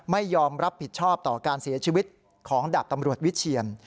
ไม่ยอมรับผิดชอบต่อการเสียชีวิตของดาบตำรวจวิเชียน